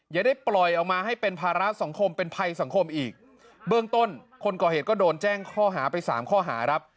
อย่าได้ปล่อยออกมาให้เป็นภาระสังคมเป็นภัยสังคมอีกเบื้องต้นคนก่อเหตุก็โดนแจ้งข้อหาไปสามข้อหาครับ